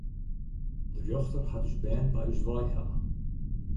De rjochter hat ús bern by ús wei helle.